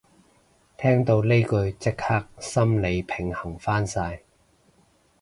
聽到呢句即刻心理平衡返晒